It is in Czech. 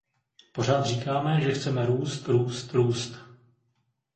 Pořád říkáme, že chceme růst, růst, růst.